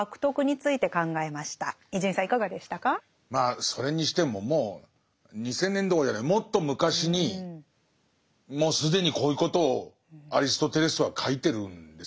まあそれにしてももう２，０００年どころじゃないもっと昔にもう既にこういうことをアリストテレスは書いてるんですね。